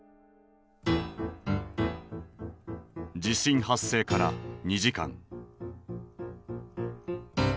地震発生から２時間。